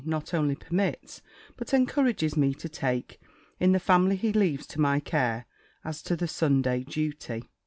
not only permits, but encourages me to take, in the family he leaves to my care, as to the Sunday duty.